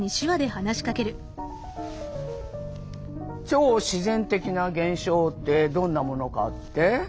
「超自然的な現象ってどんなものかって？